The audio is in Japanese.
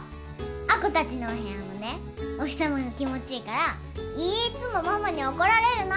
亜子たちのお部屋もねお日さまが気持ちいいからいーっつもママに怒られるの。